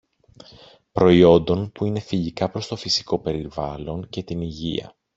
προϊόντων που είναι φιλικά προς το φυσικό περιβάλλον και την υγεία